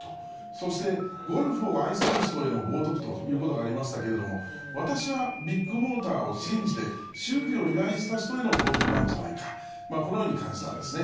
そして、ゴルフを愛する人への冒とくということがありましたけれども、私はビッグモーターを信じて修理を依頼した人への冒とくなんじゃないか、このように感じたんですね。